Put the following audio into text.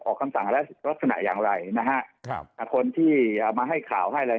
ออกคำสั่งและลักษณะอย่างไรนะฮะครับคนที่เอามาให้ข่าวให้แล้ว